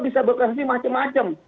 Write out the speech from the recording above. bisa beroperasi macem macem